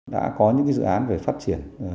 đã có những dự án về phát triển